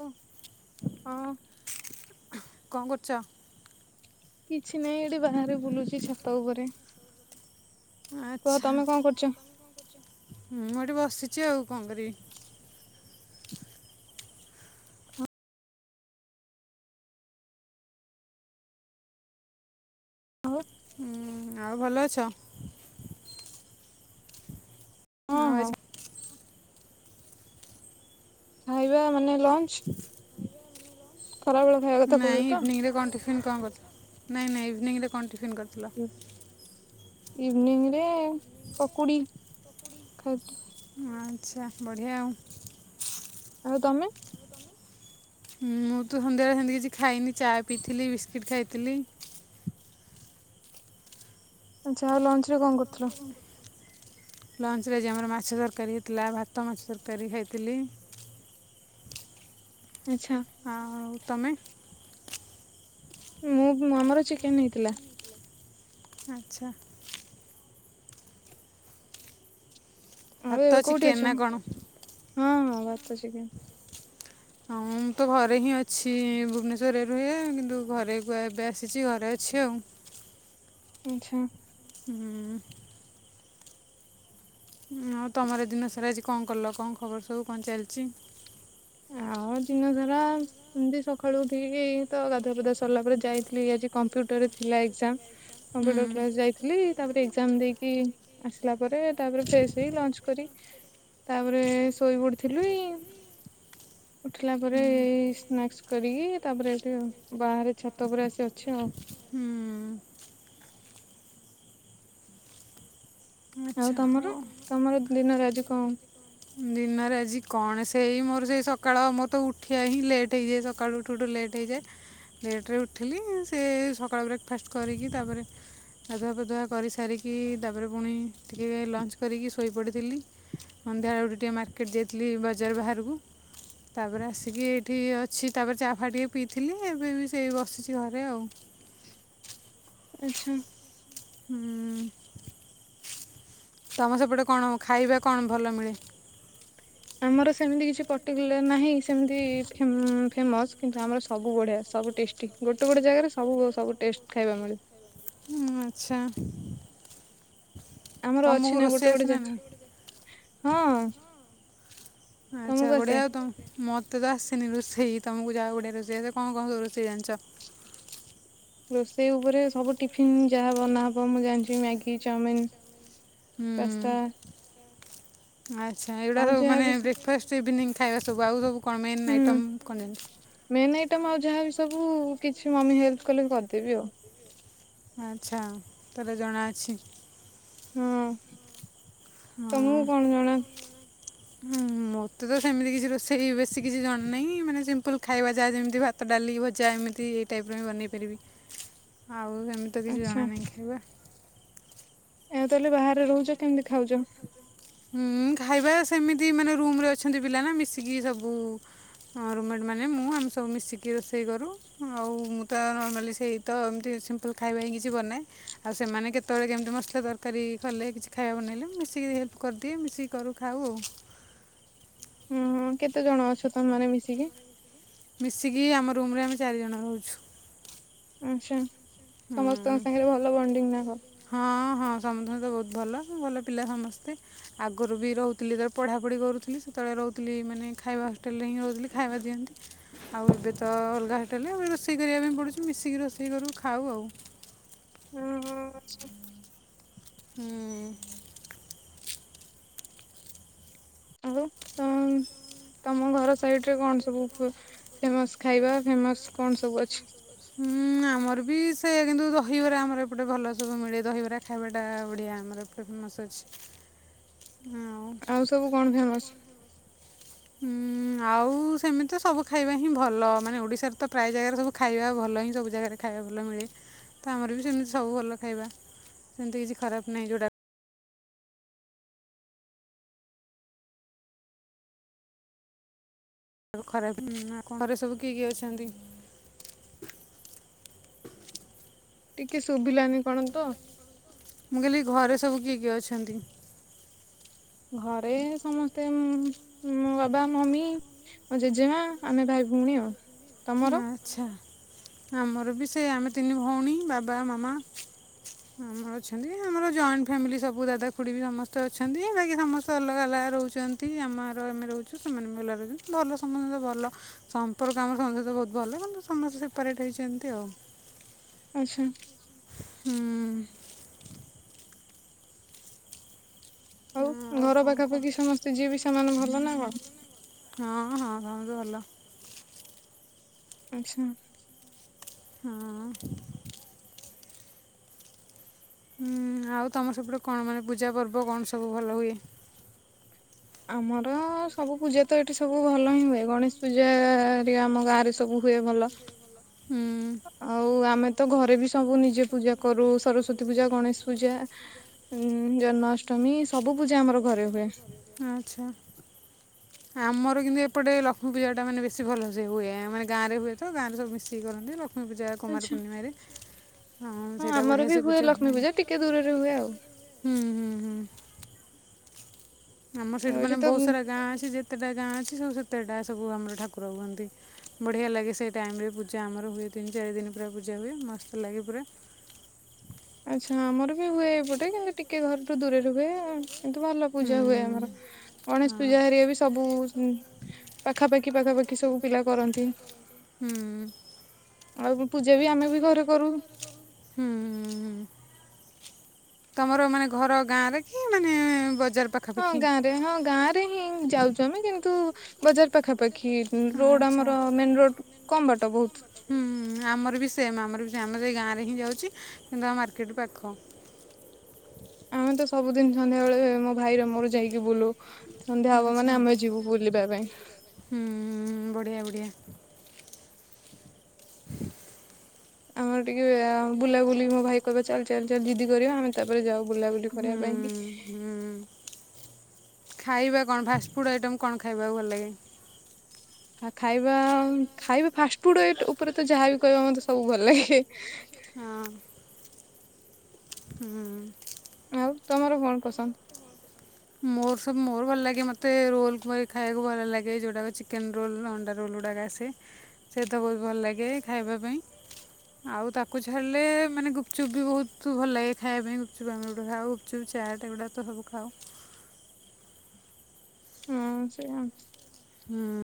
ଓ। ହଁ। କଣ କରୁଚ? କିଛି ନାହିଁ ଏଇଠି ବାହାରେ ବୁଲୁଛି ଛାତ ଉପରେ। ଆଚ୍ଛା ହୁଁ ମୁଁ ଏଇଠି ବସିଛି ଆଉ କଣ କରିବି? [inaudible] ଉ ଆଉ ଭଲ ଅଛ? ଆଉ ଆଜି ଖାଇବା ମାନେ ଲଞ୍ଚ ଖରାବେଳ ନାଇଁ ଇଭିନିଂରେ କଣ ଟିଫିନ୍ କଣ କରିଥିଲ? ନାଇଁ-ନାଇଁ ଇଭିନିଂରେ କଣ ଟିଫିନ୍ କରିଥିଲ? ଇଭିନିଂ ରେ ପକୁଡି ଖାଇଥିଲୁ‌। ଆଚ୍ଛା ବଢିଆ ଆଉ। ଆଉ ତମେ? ଉଁ ମୁଁ ତ ସନ୍ଧ୍ୟାବେଳେ ସେମିତି କିଛି ଖାଇନି ଚା ପିଇଥିଲି ବିସ୍କିଟ୍ ଖାଇଥିଲି। ଆଚ୍ଛା ଆଉ ଲଞ୍ଚ ରେ କଣ କରିଥିଲ? ଲଞ୍ଚରେ ଆଜି ଆମର ମାଛ ତରକାରୀ ହେଇଥିଲା। ଭାତ ମାଛ ତରକାରୀ ଖାଇଥିଲି। ଆଚ୍ଛା। ଆଉ ତମେ? ମୁଁ ଆମର ଚିକେନ ହେଇଥିଲା। ଆଚ୍ଛା। ଆଉ ଏବେ କୋଉଠି ଅଛନ୍ତି? ହଁ-ହଁ ଭାତ ଚିକେନ। ହଁ ମୁଁ ତ ଘରେ ହିଁ ଅଛି ଭୁବନେଶ୍ୱରରେ ରୁହେ କିନ୍ତୁ ଘରେ କୁ ଏବେ ଆସିଛି ଘରେ ଅଛି ଆଉ। ଆଚ୍ଛା। ହୁଁ। ଆଉ ତମର ଦିନ ସାରା ଆଜି କଣ କଲ କଣ ଖବର ସବୁ କଣ ଚାଲିଛି? ଆଉ ଦିନ ସାରା ଏମିତି ସକାଳୁ ଉଠିକି ତ ଗାଧୁଆ ପାଧୁଆ ସରିଲା ପରେ ଯାଇଥିଲି ଆଜି କମ୍ପ୍ୟୁଟର ରେ ଥିଲା ଏକ୍ଜାମ। କମ୍ପୁଟର କ୍ଲାସ ଯାଇଥିଲି ତାପରେ ଏକ୍ଜାମ ଦେଇକି ଆସିଲା ପରେ ତାପରେ ଫ୍ରେଶ ହେଇ ଲଞ୍ଚ କରି ତାପରେ ଶୋଇ ପଡିଥିଲୁ‌ଇଁ। ଉଠିଲା ପରେ ଏଇ ସ୍ନାକ୍ସ କରିକି ତାପରେ ଏଠି ବାହାରେ ଛାତ ଉପରେ ଆସି ଅଛି ଆଉ। ଆଉ ତମର-ତମର ଦିନରେ ଆଜି କଣ? ଦିନରେ ଆଜି କଣ ସେଇ ମୋର ସେଇ ସକାଳ ମୋର ତ ଉଠିବା ହିଁ ଲେଟ୍ ହେଇଯାଏ ସକାଳୁ ଉଠୁ-ଉଠୁ ଲେଟ୍ ହେଇଯାଏ। ଲେଟ୍ ରେ ଉଠିଲି ସେ ସକାଳୁ ବ୍ରେକ୍ ଫାଷ୍ଟ କରିକି ତାପରେ ଗାଧୁଆ ପାଧୁଆ କରିସାରିକି ତାପରେ ପୁଣି ଟିକେ ଲଞ୍ଚ କରିକି ଶୋଇପଡ଼ିଥିଲି। ସନ୍ଧ୍ୟାବେଳକୁ ଟିକେ ମାର୍କେଟ ଯାଇଥିଲି ବଜାର ବାହାରକୁ। ତାପରେ ଆସିକି ଏଇଠି ଅଛି ତାପରେ ଚା ଫା ଟିକେ ପିଇଥିଲି ଏବେ ବି ସେଇ ବସିଛି ଘରେ ଆଉ। ଆଚ୍ଛା। ହୁଁ ତମ ସେପଟେ କଣ ଖାଇବା କଣ ଭଲ ମିଳେ? ଆମର ସେମିତି କିଛି ପର୍ଟିକୁଲାର ନାହିଁ ସେମିତି ଫେମ୍ ଫେମସ୍ କିନ୍ତୁ ଆମର ସବୁ ବଢ଼ିଆ ସବୁ ଟେଷ୍ଟି। ଗୋଟେ ଗୋଟେ ଜାଗାରେ ସବୁ ସବୁ ଟେଷ୍ଟ ଖାଇବା ମିଳେ। ଉୁଁ ଆଚ୍ଛା ଆମର ଅଛି ନା ଗୋଟେ ଗୋଟେ ଜାଗ୍ ହଁ ଆଚା ବଢ଼ିଆ ତମ୍ ମତେ ତ ଆସେନି ରୋଷେଇ ତମକୁ ଯାହା ବଢିଆ ରୋଷେଇ ଆସେ କଁ କଁ ସବୁ ରୋଷେଇ ଜାଣିଚ? ରୋଷେଇ ଉପରେ ସବୁ ଟିଫିନ୍ ଯାହା ବନାହବ ମୁଁ ଜାଣିଚି ମ୍ୟାଗି, ଚାଓମିନ୍। ପାସ୍ତା। ଆଚ୍ଛା ଏଗୁଡ଼ା ସବୁ ମାନେ ବ୍ରେକ୍ଫାଷ୍ଟ ଇଭିନିଙ୍ଗ୍ ଖାଇବା ସବୁ ଆଉ ସବୁ କଣ ମେନ୍ ଆଇଟମ୍ କଣ ଜାନି ମେନ୍ ଆଇଟମ୍ ଆଉ ଯାହାବି ସବୁ କିଛି ମମି ହେଲ୍ପ କଲେ କରିଦେବି ଆଉ। ଆଁଚ୍ଛା ଆଉ ତାଏଲେ ଜଣାଅଛି। ହୁଁ। ଅଁ। ହୁଁ ମତେ ତ ସେମିତି କିଛି ରୋଷେଇ ବେଶୀ କିଛି ଜଣ୍ ନାଇଁ ମାନେ ସିମ୍ପୁଲ ଖାଇବା ଯାହା ଯେମିତି ଭା ତ ଡାଲି, ଭଜା ଏମିତି ଏଇ ଟାଇପ୍ ର ହିଁ ବନେଇ ପାରିବି ଆଉ ଏମିତି ତ କିଛି ଜଣା ନାଇଁ ଖାଇବା। ଆଉ ତାଏଲେ ବାହାରେ ରହୁଚ କେମିତି ଖାଉଚ? ହୁଁ ଖାଇବା ସେମିତି ମାନେ ରୁମ ରେ ଅଛନ୍ତି ପିଲା ନା ମିଶିକି ସବୁ ହଁ ରୁମମେଟ୍ ମାନେ, ମୁଁ ଆମେ ସବୁ ମିଶିକି ରୋଷେଇ କରୁ। ଆଉ ମୁଁ ତ ନର୍ମାଲି ସେଇ ତ ଏମିତି ସିମ୍ପୁଲ୍ ଖାଇବା ହିଁ କିଛି ବନାଏ। ଆଉ ସେମାନେ କେତେବେଳେ କେମିତି ମସଲା ତରକାରୀ କଲେ କିଛି ଖାଇବା ବନେଇଲେ ମିଶିକି କରିଦିଏ ମିଶିକି କରୁ ଖାଉ ଓଉ। ଉୁଁହୁଁ କେତେ ଜଣ ଅଛ ତମେ ମାନେ ମିଶିକି? ମିଶିକି ଆମ ରୁମ୍ ରେ ଆମେ ଚାରିଜଣ ରହୁଛୁ। ଆଁଚ୍ଛା ସମସ୍ତଙ୍କ ସାଙ୍ଗରେ ଭଲ ବଣ୍ଡିଙ୍ଗ୍ ନା କଁ? ହଁ ହଁ ସମତଙ୍କ [unintelligible] ବହୁତ୍ ଭଲ ଭଲ ପିଲା ସମସ୍ତେ। ଆଗରୁ ବି ରହୁତିଲି ଯେ [unintelligible] ଳେ ପଢ଼ାପଢ଼ି କରୁଥିଲି ସେତେବେଳେ ରହୁତିଲି ମାନେ ଖାଇବା ହଷ୍ଟେଲରେ ହିଁ ରହୁଥିଲି ଖାଇବା ଦିଅନ୍ତି। ଆଉ ଏବେ ତ ଅଲଗା ହଟଲେ ଆଉ ବି ରୋଷେଇ କରିଆ ପାଇଁ ପଡ଼ୁଚି ମିଶିକି ରୋଷେଇ କରୁ ଖାଉ ଆଉ। ଉୁଁ ହୋ ଆଚ୍ଛା। ଉୁଁ। ଆଉ ତଅଁ ତମ ଘର ସାଇଡରେ କଣ ସବୁ ଫେମସ୍ ଖାଇବା ଫେମସ୍ କଣ ସବୁ ଅଛି? ଉୁଁ ଆ ଆମର ବି ସେଆ କିନ୍ତୁ ଦହିବରା ଆମର ଏପଟେ ଭଲ ସବୁ ମିଳେ ଦହିବରା ଖାଇବାଟା ବଢିଆ ଆମର। [unintelligible] ଅଛି ଉୁଁ ଆଉ। କଣ ଫେମସ୍? ଉୁଁ। ଉୁଁ ଆଉ ସେମିତ ସବୁ ଖାଇବା ହିଁ ଭଲ ମାନେ ଓଡିଶାରେ ତ ପ୍ରାଏ ଜାଗାରେ ସବୁ ଖାଇବା ଭଲ ହିଁ ସବୁ ଜାଗାରେ। ଖାଇବା ଭଲ ମିଳେ ତ ଆମର ବି ସେମିତ୍ ସବୁ ଭଲ ଖାଇବା ସେମିତି କିଛି ଖରାପ ନାହିଁ ଯେଉଟା ବୁ ଖରାପ ଉଁ ନା କଁ ଘରେ ସବୁ କିଏ କିଏ ଅଛନ୍ତି? ଟିକେ ଶୁଭିଲାନି କଣ ତ। ମୁଁ କହିଲି ଘରେ ସବୁ କିଏ କିଏ ଅଛନ୍ତି? ଘରେ ସମସ୍ତେ ଉଁ ମୋ ବାବା, ମମି ମୋ ଜେଜେମା ଆମେ ଭାଇ, ଭଉଣୀ ଆଉ। ଉଁ ଆଚ୍ଛା ଆମର ବି ସେଇଆ ଆମେ ତିନି ଭଉଣୀ, ବାବା, ମାମା। ଆମର ଅଛନ୍ତି ଆମର ଜଏଣ୍ଟ ଫ୍ୟାମିଲି ସବୁ ଦାଦା, ଖୁଡି ବି ସମସ୍ତେ ଅଛନ୍ତି ବାକି ସମସ୍ ତ ଅଲଗା ଅଲଗା ରହୁଚନ୍ତି ଆମର ଆମେ ରହୁଚୁ ସେମାନେ ଭଲରେ ରଉ [unintelligible] ଭଲ ସମସ୍ତ ତ [unintelligible] ଭଲ। ସମ୍ପର୍କ ଆମର ସମସ୍ତଙ୍କ ସହିତ ବହୁତ ଭଲ କିନ୍ତୁ ସମସ୍ତେ ସେପାରେଟ୍ ହେଇଚନ୍ତି ଆଉ। ଆଚ୍ଛା। ଉୁଁ। ହଉ ଘର ପାଖାପାଖି ସମସ୍ତେ ଯିଏ ବି ସେମାନେ ଭଲ ନା କଣ? ହଁ ହଁ ସେମିତି ଭଲ। ଆଚ୍ଛା। ହଁ। ହୁଁ ଆଉ ତମର ସେପଟୁ କଣ ମାନେ ପୂଜା ପର୍ବ କଣ ସବୁ ଭଲ ହୁଏ? ଆମର ସବୁ ପୂଜା ତ ଏଠି ସବୁ ଭଲ ହିଁ ହୁଏ ଗଣେଶ ପୂଜାରେ ଆମ ଗାଁ ରେ ତବୁ ହୁଏ ଭଲ। ହୁଁ। ଆଉ ଆମେ ତ ଘରେ ବି ସବୁ ନିଜେ ପୂଜା କରୁ ସରସ୍ଵତୀ ପୂଜା ଗଣେଶ ପୂଜା। ଉଁ ଜନ୍ମାଷ୍ଟମୀ ସବୁ ପୂଜା ଆମର ଘରେ ହୁଏ। ଆଚ୍ଛା। ଆମର କିନ୍ତୁ ଏପଟେ ଲକ୍ଷ୍ମୀ ପୂଜାଟା ମାନେ ବେଶୀ ଭଲ ସେ ହୁଏ ମାନେ ଗାଁରେ ହୁଏ ତ ଗାଁରେ ସବୁ ମିଶିକି କରନ୍ତି ଲକ୍ଷ୍ମୀ ପୂଜା କୁମାର ପୂର୍ଣ୍ଣିମାରେ ହଁ ସେଇଟା ବଢ଼ିଆ ସେ ପୂଜା ହୁଏ। ହୁଁ ହୁଁ ହୁଁ। ଆମର ସେଇଠି ମାନେ ବହୁତ ସାରା ଗାଁ ଅଛି ଯେତେଟା ଗାଁ ଅଛି ସବୁ ସେତେଟା ସବୁ ଆମର ଠାକୁର ହୁଅନ୍ତି। ବଢ଼ିଆ ଲାଗେ ସେଇ ଟାଇମରେ ପୂଜା ଆମର ହୁଏ ତିନି ଚାରି ଦିନ ପୁରା ପୂଜା ହୁଏ ମସ୍ତ ଲାଗେ ପୁରା। ଆଚ୍ଛା ଆମର ବି ହୁଏ ଏପଟେ କିନ୍ତୁ ଟିକେ ଘରଠୁ ଦୂରରେ ହୁଏ ଆଉ। କିନ୍ତୁ ଭଲ ପୂଜା ହୁଏ ଆମର ଗଣେଶ ପୂଜା ଘେରିକା ବି ସବୁ ଉଁ ପାଖାପାଖି କି ପାଖାପାଖି ସବୁ ପିଲା କରନ୍ତି। ଆଉ ବି ପୂଜା ବି ଆମେ ବି ଘରେ କରୁ। ତମର ମାନେ ଘର ଗାଁରେ ଖି ମାନେ ବଜାର ପାଖ୍ ହଁ ଗାଁ ରେ ହଁ ଗାଁ ରେ ହିଁ ଯାଉଛୁ ଆମେ କିନ୍ତୁ ବଜାର ପାଖାପାଖି ରୋଡ ଆମର ମେନ ରୋଡ କମ ବାଟ ବହୁତ। ହୁଁ ଆମର ବି ସେମ୍ ଆମର ବି ସେ ଆମର ଏଇ ଗାଁରେ ହିଁ ଯାଉଛି କିନ୍ତୁ ଆମ ମାର୍କେଟ ପାଖ। ଆମେ ତ ସବୁଦିନ ସନ୍ଧ୍ୟାବେଳେ ମୋ ଭାଇର ମୋର ଯାଇକି ବୁଲୁ। ସନ୍ଧ୍ୟା ହବ ମାନେ ଆମେ ଯିବୁ ବୁଲିବା ପାଇଁ। ହୁଁ ବଢିଆ ବଢିଆ। ଆମର ଟିକେ ଆ ବୁଲାବୁଲି ମୋ ଭାଇ କହିବ ଚାଲ ଚାଲ ଚାଲ ଜିଦି କରିବ ଆମେ ତାପରେ ଯାଉ। ବୁଲାବୁଲି କରିବା ପାଇଁ କିଛି ହୁଁ। ଖାଇବା କଣ ଫାଷ୍ଟଫୁଡ଼ ଆଇଟମ୍ କଣ ଖାଇବାକୁ ଭଲ ଲାଗେ? ହ ଖାଇବା ଖାଇବା ଫାଷ୍ଟ ଫୁଡ ଆଇଟ୍ ଉପରେ ତ ଯାହାବି କହିବ ମତେ ସବୁ ଭଲ ଲାଗେ। ହଁ। ହୁଁ। ଆଉ ତମର କଣ ପସନ୍ଦ? ମୋର ସବୁ ମୋର ଭଲ ଲାଗେ ମତେ ରୋଲ ଖୁଆଇ ଖାଇବାକୁ ଭଲ ଲାଗେ ଯୋଉଟାକ ଚିକେନ ରୋଲ ଅଣ୍ଡା ରୋଲ ଗୁଡାକ ସେ ସେ ତ ବହୁତ ଭଲ ଲାଗେ ଖାଇବା ପାଇଁ। ଆଉ ତାକୁ ଛାଡ଼ିଲେ ମାନେ ଗୁପଚୁପ୍ ବି ବହୁତ ଭଲ ଲାଗେ ଖାଇଆ ପାଇଁ ଗୁପଚୁପ୍ ଆମେ ଗୋଟେ ଖାଉ। ଚୁପ୍ ଚାଟ୍ ଗୁଡ଼ା ତ ସବୁ ଖାଅ। ଉଁ ସେୟା। ହୁଁ।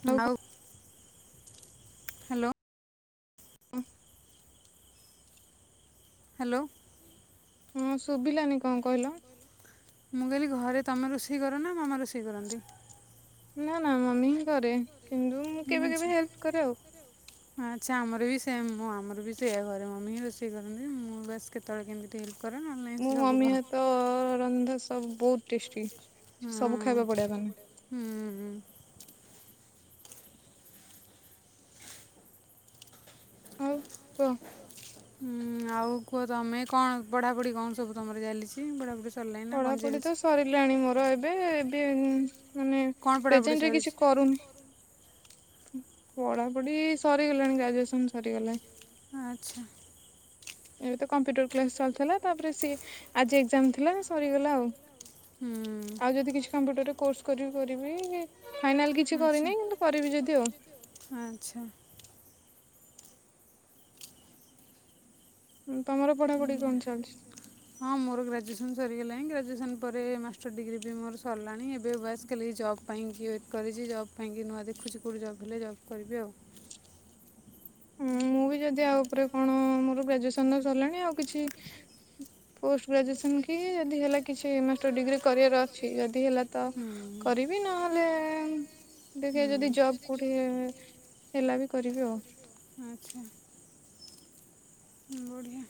ହୁଁ ଆଉ? ହାଲୋ। ଉଁ। ହାଲୋ। ହଁ ଶୁଭିଲାନି କଁ କହିଲ? ମୁଁ କହିଲି ଘରେ ତମେ ରୋଷେଇ କର ନା ମାମା ରୋଷେଇ କରନ୍ତି? ନା ନା ମମି ହିଁ କରେ କିନ୍ତୁ ମୁଁ କେବେ କେବେ ହେଲ୍ପ କରେ ଆଉ। ଆଚ୍ଛା ଆମର ବି ସେମ୍ ମୁଁ ଆମର ବି ସେୟା ଘରେ ମମି ହିଁ ରୋଷେଇ କରନ୍ତି ମୁଁ ବାସ କେତ୍‌ ତଳେ କେମିତି ଟିକେ ହେଲପ୍ କରେ ନ ହେଲେ ନାଇଁ ସେ ସବୁକରେ। ରନ୍ଧ ସବୁ ବହୁତ ଟେଷ୍ଟି ସେ ସବୁ ଖାଇବାକୁ ପଡିବ ତାନେ। ଆଉ କୁଅ ଉଁ ଆଉ କୁଅ ତମେ କଣ ପଢାପଢି କଣ ସବୁ ତମର ଚାଲିଛି ପଢାପଢି। ପଢାପଢି ତ ସରିଲାଣି ମୋର ଏବେ ମାନେ ପ୍ରେଜେଣ୍ଟ ରେ କିଛି କରୁନି। ପଢାପଢି ସରିଗଲାଣି ଗ୍ରାଜୁଏସନ ସରିଗଲାଣି। ଆଚ୍ଛା ଏବେ ତ କମ୍ପ୍ୟୁଟର କ୍ଲାସ ଚାଲିଥିଲା ତାପରେ ସିଏ ଆଜି ଏକ୍ଜାମ ଥିଲା ସରିଗଲା ଆଉ। ଆଉ ଯଦି କିଛି କମ୍ପ୍ୟୁଟରରେ କୋର୍ସ କରି କରିବି ଫାଇନାଲ କିଛି କରିନହିଁ କିନ୍ତୁ କରିବି ଯଦି ଆଉ। ଆଚ୍ଛା ତମର ପଢ଼ାପଢି କଣ ଚାଲିଛି? ହଁ ମୋର ଗ୍ରାଜୁଏସନ୍ ସରିଗଲାଣି ଗ୍ରାଜୁଏସନ୍ ପରେ ମାଷ୍ଟର ଡିଗ୍ରୀ ବି ମୋର ସରିଲାଣି ଏବେ ବୟସ କାଲି ଜବ୍ ପାଇଁକ ୱଟ୍ କରିଛି ଜବ୍ ପାଇଁକି ନୂଆ ଦେଖୁଛି କେଉଁଠି ଜବ୍ ହେଲେ ଜବ୍ କରିବି ଆଉ। ହଁ ମୁଁ ବି ଯଦି ଆଉ ଉପରେ କଣ ମୋର ଗ୍ରାଜୁଏସନ ସରିଲାଣି ଆଉ କିଛି ପୋଷ୍ଟ ଗ୍ରାଜୁଏସନ କି ଯଦି ହେଲା କିଛି ମାଷ୍ଟର ଡିଗ୍ରୀ କରିବାର ଅଛି। ଯଦି ହେଲା ତ କରିବି ନ ତ ତାଲେ ଦେଖିବା ଯଦି ଜବ କୋଉଠି ହେଲା ବି କରିବି ଆଉ। ଆଚ୍ଛା ବଢ଼ିଆ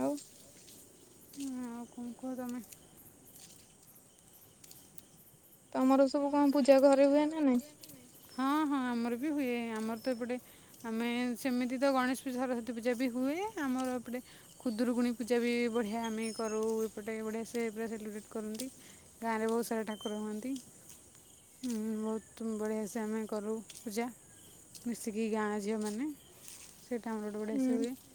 ଆଉ [unintelligible] ତମର ସବୁ କଣ ପୂଜା ଘରେ ହୁଏ ନା ନାଇଁ? ହଁ ହଁ ଆମର ବି ହୁଏ। ଆମର ତ ଏପଟେ ଆମେ ସେମିତି ତ ଗଣେଶ ପୂଜା ସରସ୍ଵତୀ ପୂଜା ବି ହୁଏ। ଆମର ଏପଟେ ଖୁଦୁରୁକୁଣୀ ପୂଜା ବି ବଢ଼ିଆ ଆମେ କରୁ ଏପଟେ ବଢ଼ିଆ ସେ ପୁରା ସେଲିବ୍ରେଟ୍ କରନ୍ତି। ଗାଁ ରେ ବହୁତ ସାରା ଠାକୁର ହୁଅନ୍ତି। ବହୁତ ବଢ଼ିଆ ସେ ଆମେ କରୁ ପୂଜା। ମିଶିକି ଗାଁ ଝିଅ ମାନେ ସେଇଟ [unintelligible]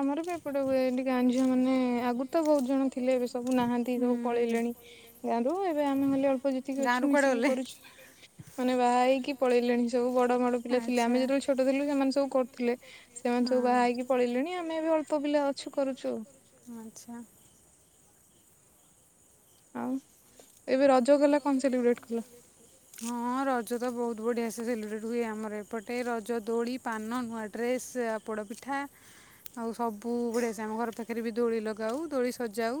ଆମର ବି ଏପଟେ ହୁଏ ଗାଁ ଝିଅ ମାନେ ଆଗରୁ ତ ବହୁତ ଜଣ ଥିଲେ ଏବେ ସବୁ ନାହାନ୍ତି ସବୁ ପଳେଇଲେଣି। ଗଁ ରୁ ଏବେ ଆମେ ହେଲେ ଅଳ୍ପ ଜିତିକି ଅଛୁ ମିଶିକି କରୁଛୁ। ମାନେ ବାହା ହେଇକି ପଳେଇଲେଣି ସବୁ ବଡ ବଡ ପିଲା ଥିଲେ ଆମେ ଯେତେବେଳେ ଛୋଟ ଥିଲୁ ସେମାନେ ସବୁ କରୁଥିଲେ। ସେମାନେ ସବୁ ବାହା ହେଇକି ପଳେଇିଲେଣି ଆମେ ବି ଅଳ୍ପ ପିଲା ଅଛୁ କରୁଛୁ। ଆଚ୍ଛା ଆଉ ଏବେ ରଜ ଗଲା କଣ ସେଲିବ୍ରେଟ୍ କଲ? ହଁ ରଜ ତ ବହୁତ ବଢ଼ିଆ ସେ ସେଲିବ୍ରେଟ୍ ହୁଏ ଆମର ଏପଟେ, ରଜ ଦୋଳି, ପାନ, ନୂଆ ଡ୍ରେସ୍ ପୋଡ଼ ପିଠା ଆଉ ସବୁବେଳେଆ ସେ ଆମ ଘର ପାଖରେ ବି ଦୋଳି ଲଗାଉ, ଦୋଳି ସଜାଉ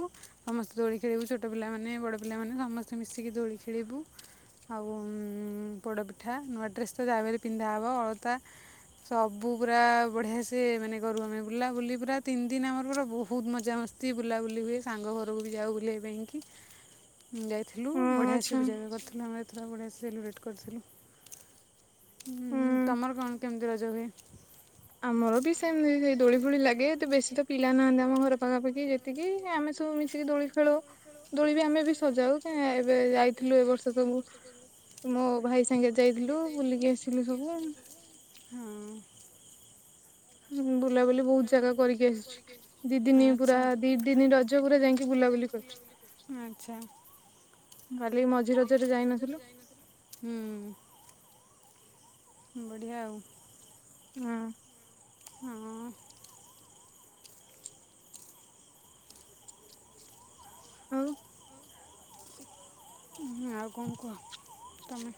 ସମସ୍ତେ ଦୋଳି ଖେଳିବୁ ଛୋଟ ପିଲାମାନେ ବଡ଼ ପିଲାମାନେ ସମସ୍ତେ ମିଶିକି ଦୋଳି ଖେଳିବୁ। ଆଉ ପୋଡ଼ପିଠା ନୂଆ ଡ୍ରେସ୍ ତ ଜାବିହେଲେ ପିନ୍ଧାହବ, ଅଳତା ସବୁ ପୁରା ବଢିଆ ସେ ମାନେ କରୁ ଆମେ ବୁଲା ବୁଲି ପୁରା ତିନି ଦିନ ଆମର ପୁରା ବହୁତ ମଜା ମସ୍ତି ଏତି ବୁଲାବୁଲି ହୁଏ ସାଙ୍ଗ ଘରକୁ ବି ଯାଉ ବୁଲେଇ ପାଇଁକି। ମୁଁ ଯାଇଥିଲି ଥିଲୁ ବଢ଼ିଆ ସେ ବୂଜା କରିଥିଲୁ ଆମେ ଏତ ବଢ଼ିଆ ସେ ସେଲିବ୍ରେଟ୍ କରିଥିଲୁ। ହୁଁ ତମର କଣ କେମିତି ରଜ ହୁଏ। ଆମର ବି ସେମିତି ସେଇ ଦୋଳି ଫୋଳି ଲାଗେ ବେଶୀ ତ ପିଲା ନାହାନ୍ତି ଆମ ଘର ପାଖାପାଖି ଯେ ଏତିକି ଆମେ ସବୁ ମିଶିକି ଦୋଳି ଖେଳୁ। ଦୋଳି ବି ଆମେ ବି ସଜାଉ କ ଏବେ ଯାଇଥିଲୁ ଏ ବର୍ଷ ସବୁ ମୋ ଭାଇ ସାଙ୍ଗେ ଯାଇଥିଲୁ ବୁଲିକି ଆସିଲୁ ସବୁ। ହଁ ହୁଁ ବୁଲାବୁଲି ବହୁତ ଜାଗା କରିକି ଆସିଛି। ଦି ଦିନ ପୁରା ଦି ଦିନ ରଜ ପୁରା ଯାଇକି ବୁଲାବୁଲି କରୁଚୁ। ଖାଲି ମଝିରଜରେ ଯାଇନଥିଲୁ ହୁଁ ବଢ଼ିଆ ଆଉ। ହୁଁ। ହଁ ହଉ। ଆଉ କଣ କୁହ ତମେ।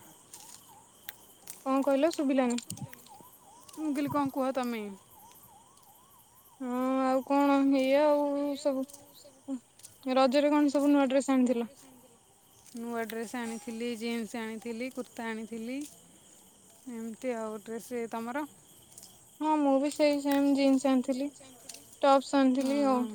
କଣ କହିଲ ଶୁଭିଲାନି। ମୁଁ କହିଲି କଣ କୁହ ତମେ। ହଁ ଆଉ କଣ ଏଇଆ ଆଉ ସବୁ। ରଜରେ କଣ ସବୁ ନୂଆ ଡ୍ରେସ୍ ଆଣିଥିଲ। ନୂଆ ଡ୍ରେସ୍ ଆଣିଥିଲି ଜିନ୍ସ ଆଣିଥିଲି କୁର୍ତ୍ତା ଆଣିଥିଲି। ଏମିତି ଆଉ ଡ୍ରେସ୍ ତମର। ହଁ ମୁଁ ବି ସେଇ ସେମ ଜିନ୍ସ ଆଣିଥିଲି ଟପ୍ସ ଆଣିଥିଲି ଆଉ।